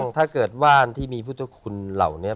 ถ้าเกิดว่านที่มีพุทธคุณเหล่านี้